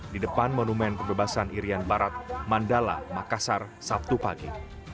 di depan monumen kebebasan irian barat mandala makassar sabtu pagi